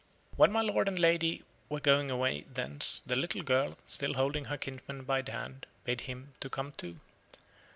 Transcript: When my lord and lady were going away thence, the little girl, still holding her kinsman by the hand, bade him to come too.